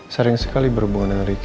sering sekali berhubungan dengan ricky